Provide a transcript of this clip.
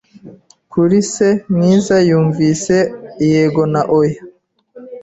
Kuri se mwiza yumvise yego na oya